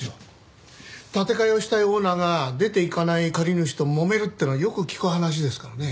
建て替えをしたいオーナーが出て行かない借り主ともめるっていうのはよく聞く話ですからね。